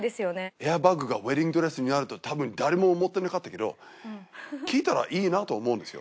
エアバッグがウェディングドレスになるとたぶん誰も思ってなかったけど聞いたら「いいな」と思うんですよ